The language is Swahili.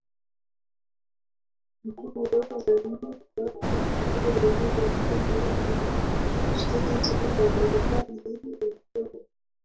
mbio za mita elfu moja mia tano na mshindi wa medali ya fedha